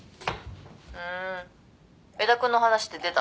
ふーん江田君の話って出たの？